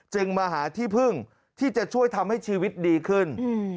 มาหาที่พึ่งที่จะช่วยทำให้ชีวิตดีขึ้น